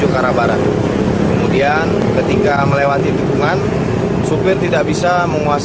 kemudian ketika melewati tikungan sopir tidak bisa menguasai